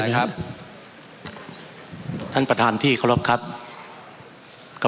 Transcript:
มันมีมาต่อเนื่องมีเหตุการณ์ที่ไม่เคยเกิดขึ้น